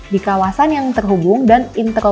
di kawasan yang terhubung dengan negara negara yang lain